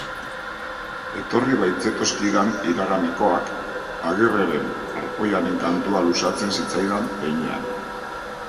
Etorri baitzetozkidan iraganekoak, Agirreren arpoiaren kantua luzatzen zitzaidan heinean.